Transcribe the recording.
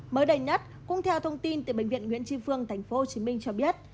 mới đây nhất cũng theo thông tin từ bệnh viện nguyễn tri phương tp hcm cho biết